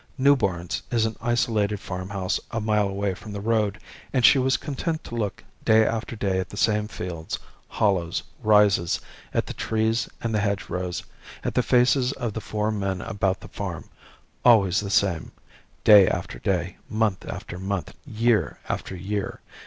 New Barns is an isolated farmhouse a mile away from the road, and she was content to look day after day at the same fields, hollows, rises; at the trees and the hedgerows; at the faces of the four men about the farm, always the same day after day, month after month, year after year.